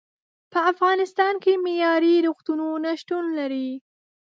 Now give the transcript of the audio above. په افغانستان کې معیارې روغتونونه شتون لري.